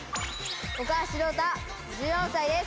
岡橋亮汰１４歳です。